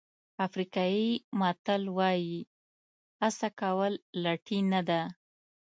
افریقایي متل وایي هڅه کول لټي نه ده.